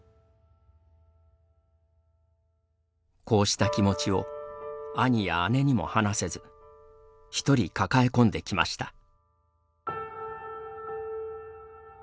こうした気持ちを兄や姉にも話せずひとり抱え込んできました。